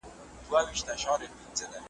پاک ښارونه روغ خلک لري.